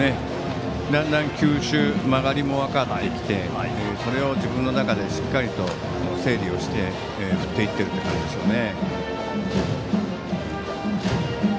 だんだん球種曲がりも分かってきてそれを自分の中でしっかり整理して振っていっていると思いますね。